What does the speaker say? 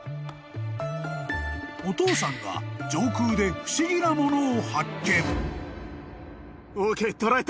［お父さんが上空で不思議なものを発見］